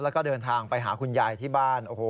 แล้วก็เดินทางไปหาคุณยายที่บ้าน